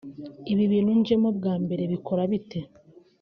Ibi bintu njemo bwa mbere bikora bite